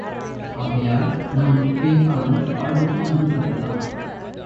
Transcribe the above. ஆகையால், நாம் பேசாமல் வாழ்வோம் என்று சொல்லலாம்.